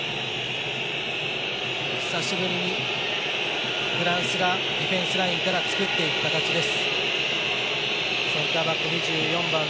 久しぶりにフランスがディフェンスラインから作っていく形です。